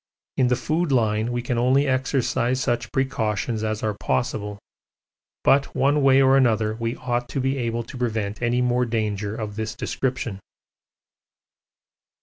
In the food line we can only exercise such precautions as are possible, but one way or another we ought to be able to prevent any more danger of this description.